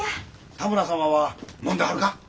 多村様は飲んではるか？